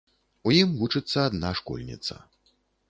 У ім вучыцца адна школьніца.